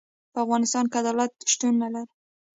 په افغانستان کي عدالت شتون نلري.